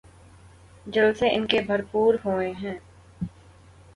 جلسے ان کے بھرپور ہوئے ہیں۔